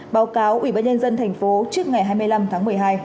báo cáo ubnd tp trước ngày hai mươi năm tháng một mươi hai